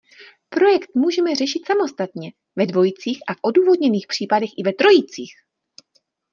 Projekt můžete řešit samostatně, ve dvojicích a v odůvodněných případech i ve trojicích.